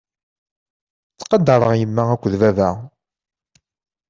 Ttqadareɣ yemma akked baba.